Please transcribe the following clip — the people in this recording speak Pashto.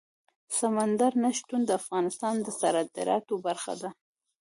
سمندر نه شتون د افغانستان د صادراتو برخه ده.